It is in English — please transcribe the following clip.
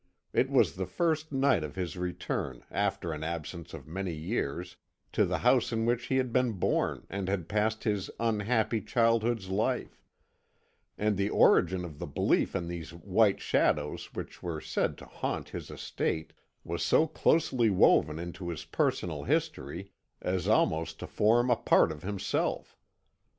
It was the first night of his return, after an absence of many years, to the house in which he had been born and had passed his unhappy childhood's life: and the origin of the belief in these white shadows which were said to haunt his estate was so closely woven into his personal history as almost to form a part of himself.